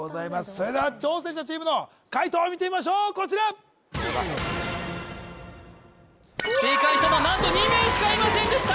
それでは挑戦者チームの解答を見てみましょうこちら正解したのは何と２名しかいませんでした！